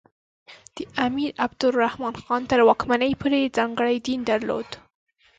د امیر عبدالرحمان خان تر واکمنۍ پورې ځانګړی دین درلود.